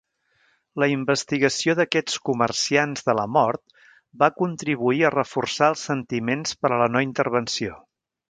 La investigació d'aquests "comerciants de la mort" va contribuir a reforçar els sentiments per a la no intervenció.